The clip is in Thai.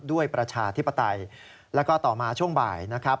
ประชาธิปไตยแล้วก็ต่อมาช่วงบ่ายนะครับ